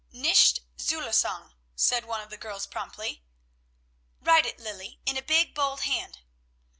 "Nicht Zulassung," said one of the girls promptly. "Write it, Lilly, in a big, bold hand."